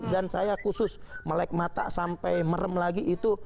dan saya khusus melek mata sampai merem lagi itu